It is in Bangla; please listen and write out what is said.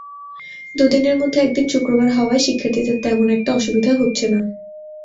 দুদিনের মধ্যে একদিন শুক্রবার হওয়ায় শিক্ষার্থীদের তেমন একটা অসুবিধা হচ্ছে না।